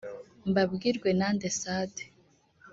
Mbabwirwenande Sadi